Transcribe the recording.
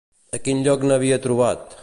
A quin lloc n'havia trobat?